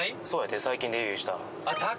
そうやで最近デビューしたあっ！